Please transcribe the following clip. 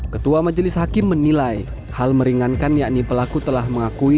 ketua majelis hakim menilai hal meringankan yakni pelaku telah mengakui